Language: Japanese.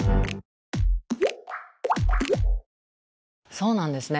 そうなんですね。